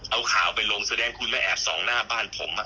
เอาข่าวไปลงแสดงคุณมาแอบส่องหน้าบ้านผม